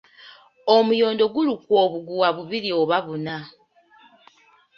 Omuyondo gulukwa obugwa bubiri oba buna.